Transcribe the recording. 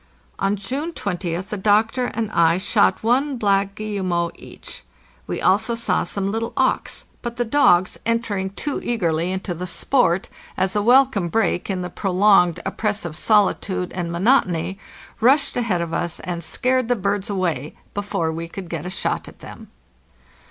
On June 20th the doctor and I shot one black guillemot each. We also saw some little auks, but the dogs, entering too eagerly 618 APPENDIX into the sport, as a welcome break in the prolonged oppressive solitude and monotony, rushed ahead of us and scared the birds away before we could get a shot at them.